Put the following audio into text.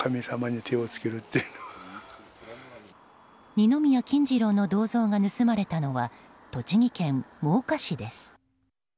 二宮金次郎の銅像が盗まれたのは栃木県真岡市です。